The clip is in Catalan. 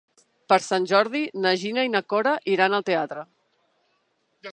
Per Sant Jordi na Gina i na Cora iran al teatre.